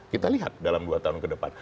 kita lihat dalam dua tahun ke depan